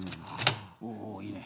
おおおおいいね。